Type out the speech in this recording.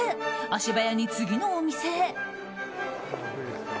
足早に次のお店へ。